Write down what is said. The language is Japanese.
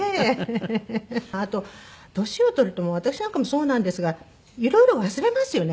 あと年を取ると私なんかもそうなんですがいろいろ忘れますよね